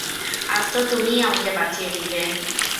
আজ তো তুমিই আমাকে বাচিয়ে দিলে।